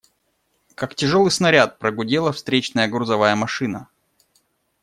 Как тяжелый снаряд, прогудела встречная грузовая машина.